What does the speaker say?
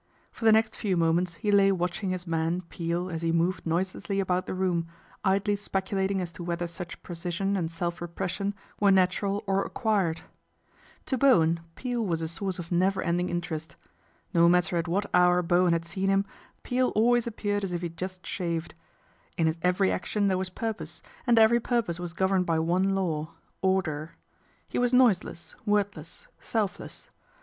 For the next few mo ments he lay watching his man, Peel, as he moved noiselessly about the room, idly speculating as to whether such precision and self repression were natural or acquired. To Bowen Peel was a source of never ending interest. No matter at what hour Bowen had seen him, Peel always appeared as if he had just shaved. In his every action there was purpose, and every purpose was governed by one law order. He was noiseless, wordless, selfless.